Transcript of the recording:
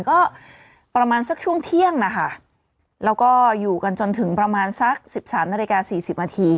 ก็ประมาณสักช่วงเที่ยงนะคะแล้วก็อยู่กันจนถึงประมาณสัก๑๓นาฬิกา๔๐นาที